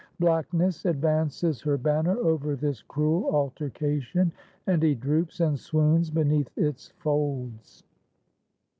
Blackness advances her banner over this cruel altercation, and he droops and swoons beneath its folds.